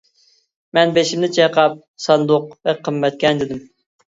مەن بېشىمنى چايقاپ، ساندۇق بەك قىممەتكەن، دېدىم.